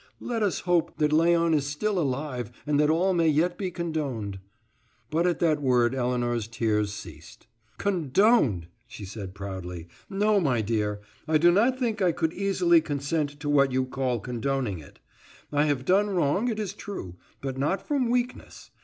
Let us hope that Léon is still alive, and that all may yet be condoned." But at that word Elinor's tears ceased. "Condoned!" she said proudly. "No, my dear, I do not think I should easily consent to what you call condoning it. I have done wrong, it is true, but not from weakness.